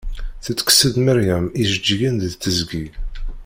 Tettekkes-d Maryem ijeǧǧigen deg teẓgi.